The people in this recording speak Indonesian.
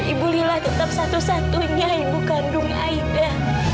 ibu lila tetap satu satunya ibu kandung aida